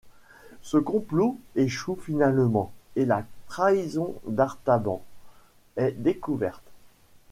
Ce complot échoue finalement, et la trahison d'Artaban est découverte.